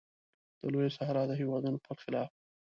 د لویې صحرا د هېوادونو پر خلاف.